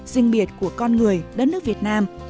riêng biệt của con người đất nước việt nam